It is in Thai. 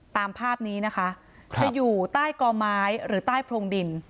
ตามภาพนี้นะคะจะอยู่ใต้กอไม้หรือใต้โพรงดิน